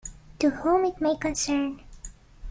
To whom it may concern.